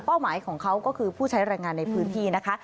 หมายของเขาก็คือผู้ใช้แรงงานในพื้นที่นะคะ